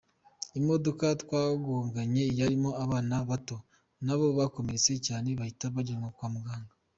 Imodoka twagonganye yarimo abana bato na bo bakomeretse cyane bahita bajyanwa kwa muganga.